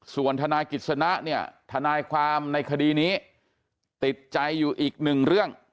ส่วนทนายกิจสนะเนี่ยทนายความในคดีนี้ติดใจอยู่อีกหนึ่งเรื่อง